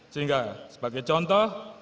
sehingga sebagai contoh